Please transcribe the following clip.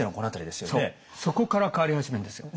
そうそこから変わり始めるんですよ。